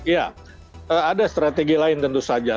ya ada strategi lain tentu saja